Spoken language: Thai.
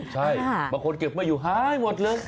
ใช่บางคนเก็บไม่อยู่หายหมดเลย